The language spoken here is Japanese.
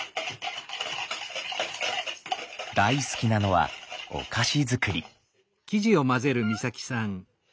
大好きなのはお菓子作り。